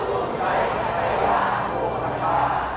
ขอน้องอภิวรรณราชาเห็นราชัน